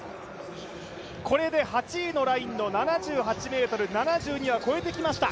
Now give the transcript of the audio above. これで８位のラインの７８ｍ７２は越えてきました。